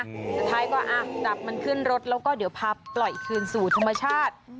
สุดท้ายก็อ่ะจับมันขึ้นรถแล้วก็เดี๋ยวพาปล่อยคืนสู่ธรรมชาติ